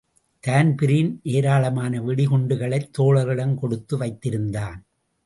Dan Breen ஏராளமான வெடிகுண்டுகளைத் தோழர்களிடம் கொடுத்து வைத்திருந்தான்.